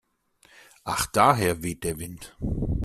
Ach daher weht der Wind.